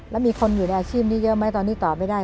และมีคนอยู่ในอาชีพนี้เยอะหรือไม่ตอบได้